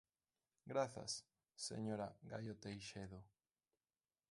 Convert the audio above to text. Grazas, señora Gaio Teixedo.